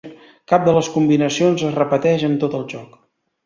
Cap de les combinacions es repeteix en tot el joc.